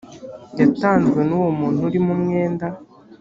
yatanzwe nuwo muntu urimo umwenda .